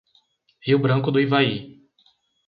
Rio Branco do Ivaí